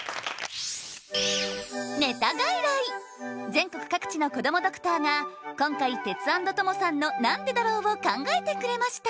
全国各地のこどもドクターが今回テツａｎｄトモさんのなんでだろうを考えてくれました